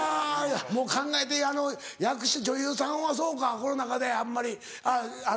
もう考えて女優さんはそうかこの中であんまりあっ。